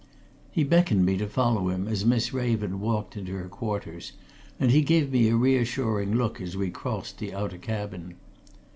He beckoned me to follow him as Miss Raven walked into her quarters, and he gave me a reassuring look as we crossed the outer cabin.